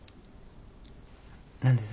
何です？